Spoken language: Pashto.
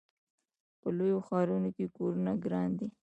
په لویو ښارونو کې کورونه ګران دي.